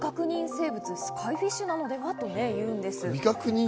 生物、スカイフィッシュなのではというのです。